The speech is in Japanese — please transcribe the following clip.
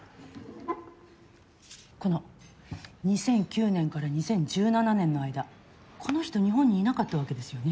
この２００９年から２０１７年の間この人日本にいなかったわけですよね？